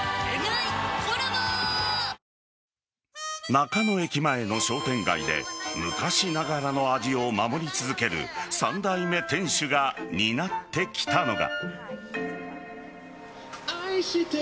中野駅前の商店街で昔ながらの味を守り続ける３代目店主が担ってきたのが。